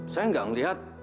saya enggak melihat